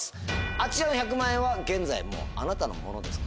あちらの１００万円は現在もうあなたのものですから。